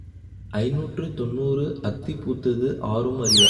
ஐநூற்று தொன்னூறு அத்தி பூத்தது ஆரும் அறியார்?